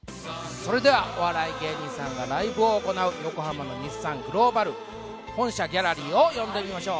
それではお笑い芸人さんがライブを行う横浜の日産グローバル本社ギャラリーを呼んでみましょう。